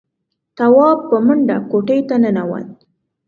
تواب په منډه کوټې ته ننوت.